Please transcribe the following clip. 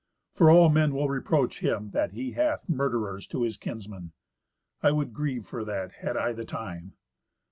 For all men will reproach him that he hath murderers to his kinsmen. I would grieve for that, had I the time."